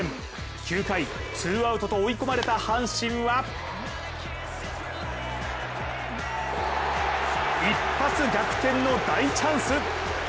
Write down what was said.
９回、ツーアウトと追い込まれた阪神は一発逆転の大チャンス。